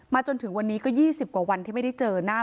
จนถึงวันนี้ก็๒๐กว่าวันที่ไม่ได้เจอหน้า